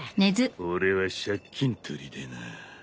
俺は借金取りでな。